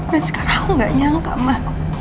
nah sekarang aku nggak nyangka mbak